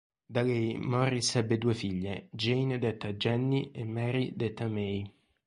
Da lei Morris ebbe due figlie, Jane detta Jenny e Mary detta May.